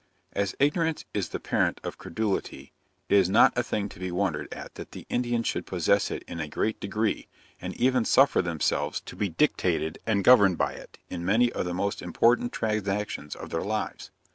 As ignorance is the parent of credulity, it is not a thing to be wondered at that the Indians should possess it in a great degree, and even suffer themselves to be dictated and governed by it in many of the most important transactions of their lives.